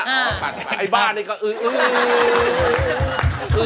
ไอ่บ้านนี้เขิน